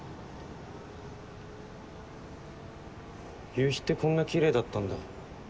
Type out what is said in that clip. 夕日ってこんな奇麗だったんだ。